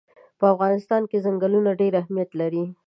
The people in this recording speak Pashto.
په افغانستان کې ځنګلونه ډېر اهمیت لري.